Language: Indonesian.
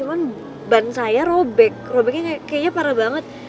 cuma ban saya robek robeknya kayaknya parah banget